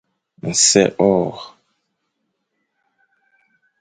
Nsè hôr.